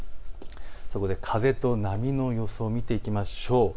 そこで風と波の予想を見ていきましょう。